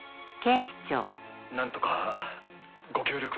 なんとかご協力を。